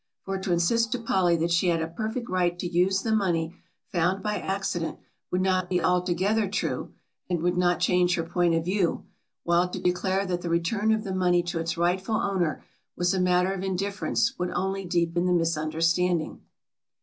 For to insist to Polly that she had a perfect right to use the money found by accident would not be altogether true and would not change her point of view, while to declare that the return of the money to its rightful owner was a matter of indifference would only deepen the misunderstanding.